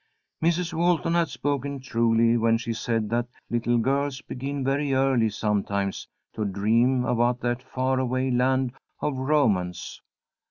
Mrs. Walton had spoken truly when she said that "Little girls begin very early sometimes to dream about that far away land of Romance."